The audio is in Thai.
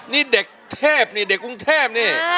นี่เด็กเทพนี่เด็กกรุงเทพนี่